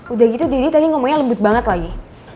udah gitu jadi tadi ngomongnya lembut banget lagi